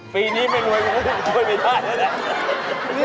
ปีนี้ไม่รวยไม่ได้